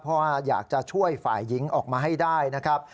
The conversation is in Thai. เพราะว่าอยากจะช่วยฝ่ายหญิงออกมาให้ได้นะครับ